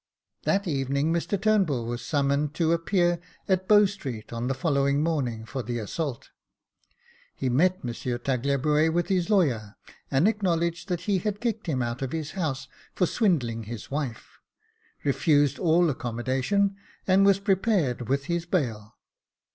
That evening Mr Turnbull was summoned to appear at Bow Street on the following morning for the assault. He met Monsieur Tagliabue with his lawyer, and acknowledged that he had kicked him out of his house for swindling his wife, refused all accommodation, and was prepared with his bail.